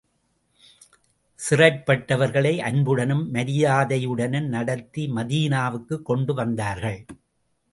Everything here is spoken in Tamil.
சிறைப்பட்டவர்களை அன்புடனும் மரியாதையுடனும் நடத்தி மதீனாவுக்குக் கொண்டு வந்தார்கள்.